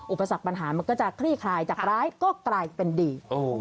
อุปสรรคปัญหามันก็จะคลี่คลายจากร้ายก็กลายเป็นดี